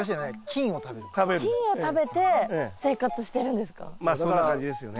菌を食べて生活してるんですか？